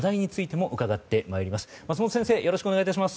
松本先生よろしくお願いします。